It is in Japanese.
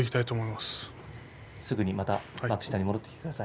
すぐにまた幕下に戻ってきてください。